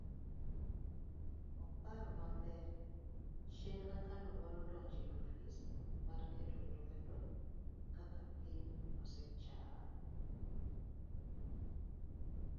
oparo maber chieng'no kano dwaro donjo e ofis mar ketoluedokakapinynechal